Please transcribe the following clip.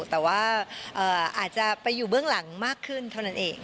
แต่ว่าอาจจะไปอยู่เบื้องหลังมากขึ้นเท่านั้นเอง